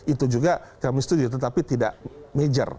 itu juga kami setuju tetapi tidak major